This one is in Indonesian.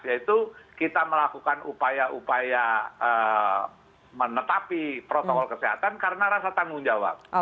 yaitu kita melakukan upaya upaya menetapi protokol kesehatan karena rasa tanggung jawab